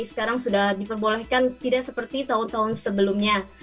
sekarang sudah diperbolehkan tidak seperti tahun tahun sebelumnya